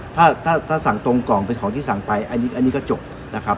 ถ้าถ้าสั่งตรงกล่องเป็นของที่สั่งไปอันนี้ก็จบนะครับ